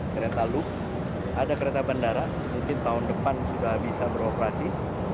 kereta loop ada kereta bandara mungkin tahun depan sudah bisa beroperasi